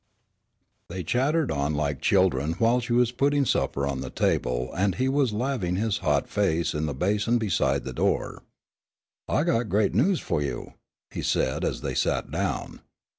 They chattered on like children while she was putting the supper on the table and he was laving his hot face in the basin beside the door. "I got great news fu' you," he said, as they sat down.